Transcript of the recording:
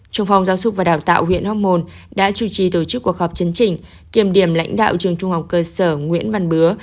trung phòng giáo dục và đào tạo huyện hóc môn đã chủ trì tổ chức cuộc họp chấn trình kiểm điểm lãnh đạo trường trung học cơ sở nguyễn văn bứa